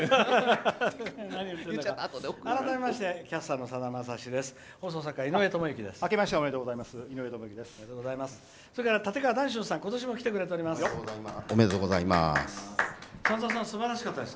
改めましてキャスターのさだまさしです。